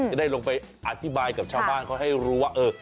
จะได้ลงไปอธิบายกับชาวบ้านเขาให้รู้ว่าเออ